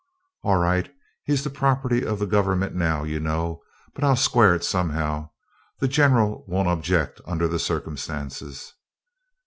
'All right. He's the property of the Government now, you know; but I'll square it somehow. The General won't object under the circumstances.'